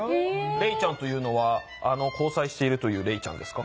レイちゃんというのはあの交際しているというレイちゃんですか？